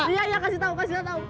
iya iya kasih tau kasih tau